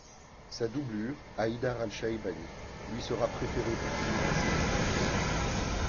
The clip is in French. Sa doublure Haidar Al-Shaïbani lui sera préférée pour finir la saison.